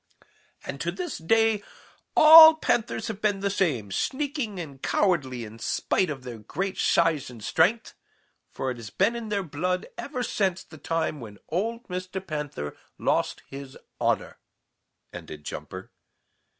"And to this day all Panthers have been the same, sneaking and cowardly in spite of their great size and strength, for it has been in their blood ever since the time when old Mr. Panther lost his honor," ended Jumper.